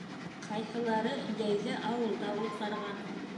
Ҡайһылары йәйҙе ауылда уҙғарған.